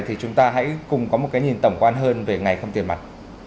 thì chúng ta hãy cùng có một cái nhìn tổng quan hơn về ngày không tiền mặt